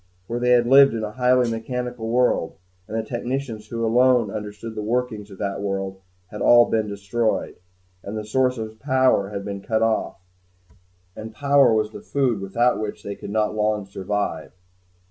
... For they had lived in a highly mechanical world, and the technicians who alone understood the workings of that world had all been destroyed, and the sources of power had all been cut off and power was the food without which they could not long survive.